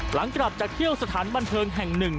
หลังกลับจากเที่ยวสถานบันเทิงแห่งหนึ่ง